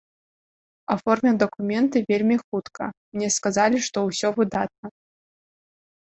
Аформіў дакументы вельмі хутка, мне сказалі, што ўсё выдатна.